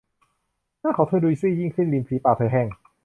หน้าของเธอดูซีดยิ่งขึ้น ริมฝีปากเธอแห้ง